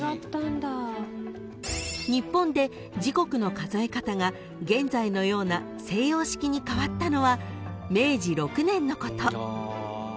［日本で時刻の数え方が現在のような西洋式に変わったのは明治６年のこと］